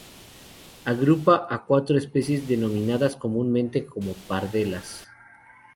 Agrupa a cuatro especies, denominadas comúnmente como pardelas.